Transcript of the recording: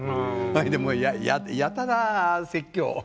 もうやたら説教。